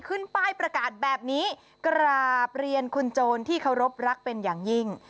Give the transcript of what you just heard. ขึ้นป้ายประกาศแบบนี้กราบเรียนคุณโจรที่เคารพรักเป็นอย่างยิ่ง